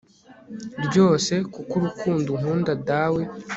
ryose), kuko urukundo unkunda dawe